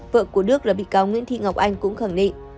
vợ của đức là bị cáo nguyễn thị ngọc anh cũng khẳng định